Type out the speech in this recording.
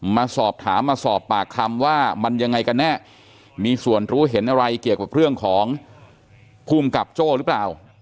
มาสอบถามมาสอบปากคำว่ามันยังไงกันแน่มีส่วนรู้เห็นอะไรเกี่ยวกับเรื่องของภูมิกับโจ้หรือเปล่า